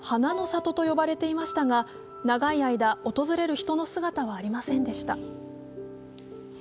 かつては花の里と呼ばれていましたが、長い間、訪れる人の姿はありませんでした。